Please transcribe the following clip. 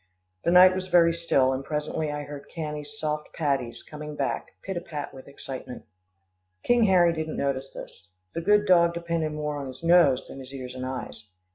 The night was very still, and presently I heard Cannie's soft paddies coming back, pit a pat with excitement. King Harry didn't notice this. The good dog depended more on his nose than his ears and eyes.